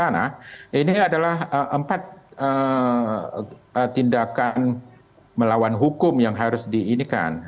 nah ini adalah empat tindakan melawan hukum yang harus diinikan